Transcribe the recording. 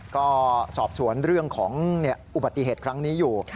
ก็สอบสวนเรื่องของอุบัติเหตุครั้งนี้อยู่